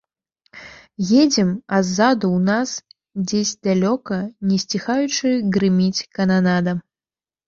Едзем, а ззаду ў нас, дзесь далёка, не сціхаючы грыміць кананада.